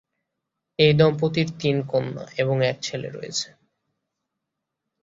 এই দম্পতির তিন কন্যা এবং এক ছেলে রয়েছে।